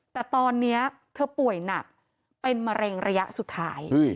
แต่ตอนนี้เธอป่วยหนักเป็นมะเร็งระยะสุดท้าย